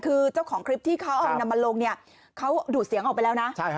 คือเจ้าของคลิปที่เขาเอานำมาลงเนี่ยเขาดูดเสียงออกไปแล้วนะ